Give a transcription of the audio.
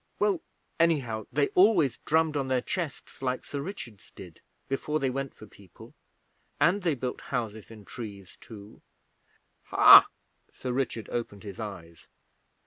'Well, anyhow, they always drummed on their chests, like Sir Richard's did, before they went for people. And they built houses in trees, too.' 'Ha!' Sir Richard opened his eyes.